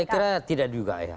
saya kira tidak juga ya